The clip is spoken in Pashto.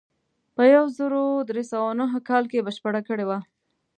په یو زر درې سوه نهه کال کې بشپړه کړې وه.